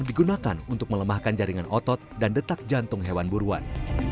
digunakan untuk melemahkan jaringan otot dan detak jantung hewan buruan